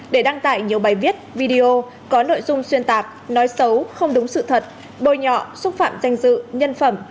để đăng tải nhiều bài viết video có nội dung xuyên tạc nói xấu không đúng sự thật bôi nhọ xúc phạm danh dự nhân phẩm